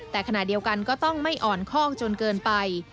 แต่ขณะเดียวกันก็ต้องไม่อ่อนข้องจนเกินไป